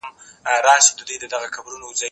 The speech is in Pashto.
سپينکۍ مينځه؟